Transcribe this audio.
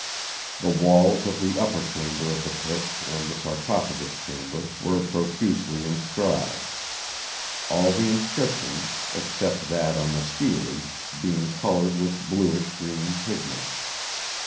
"The walls of the upper chamber of the Pit and the sarcophagus Chamber were profusely inscribed; all the inscriptions, except that on the Stele, being coloured with bluish green pigment.